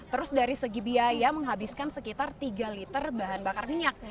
terus dari segi biaya menghabiskan sekitar tiga liter bahan bakar minyak